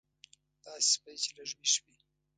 داسې سپی چې لږ وېښ وي.